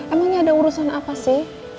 emang ini ada urusan apa sih